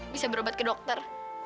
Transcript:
bisa berobat ke dokter